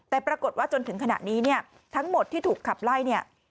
แต่ปรากฏว่าจนถึงขณะนี้ทั้งหมดที่ถูกขับไล่